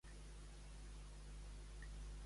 Quin és l'equivalent de l'infern a la cultura asteca?